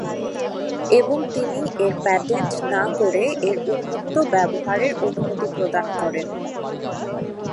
এবং তিনি এর প্যাটেন্ট না করে এর উন্মুক্ত ব্যবহারের অনুমতি প্রদান করেন।